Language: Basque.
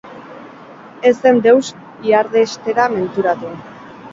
Ez zen deus ihardestera menturatu